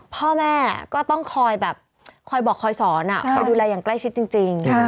พ่อแม่ก็ต้องคอยแบบคอยบอกคอยสอนคอยดูแลอย่างใกล้ชิดจริง